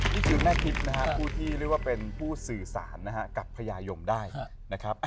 นี่คือแม่ทิพย์นะครับผู้ที่เรียกว่าเป็นผู้สื่อสารนะฮะกับพญายมได้นะครับ